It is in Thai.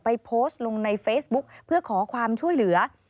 โพสต์ลงในเฟซบุ๊กเพื่อขอความช่วยเหลือ